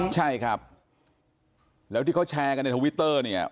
ใช่ครับแล้วที่เขาแชร์กันในทวิตเตอร์เนี่ย